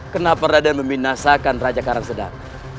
kenapa raden membinasakan raja karang sedat